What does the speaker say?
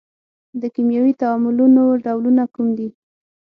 د کیمیاوي تعاملونو ډولونه کوم دي؟